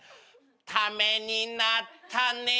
「ためになったねぇ！」